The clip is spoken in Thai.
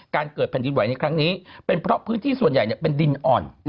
การเกิดแผ่นดินไหวในครั้งนี้เป็นเพราะพื้นที่ส่วนใหญ่เป็นดินอ่อน